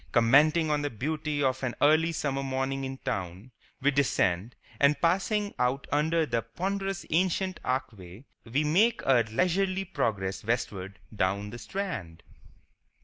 Commenting on the beauty of an early summer morning in town, we descend, and passing out under the ponderous ancient archway, we make our leisurely progress westward down the Strand.